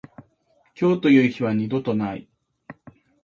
今日という日は二度とない。